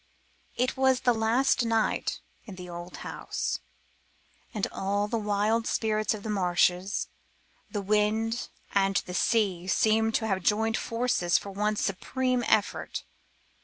It was the last night in the old house, and all the wild spirits of the marshes, the wind and the sea seemed to have joined forces for one supreme effort.